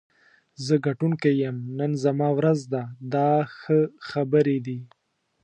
زه ګټونکی یم، نن زما ورځ ده دا ښه خبرې دي.